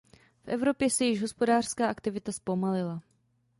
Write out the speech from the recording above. V Evropě se již hospodářská aktivita zpomalila.